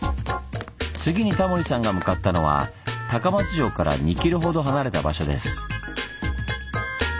次にタモリさんが向かったのは高松城から２ｋｍほど離れた場所です。